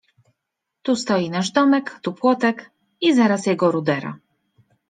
Tu stoi nasz domek, tu płotek — i zaraz jego rudera.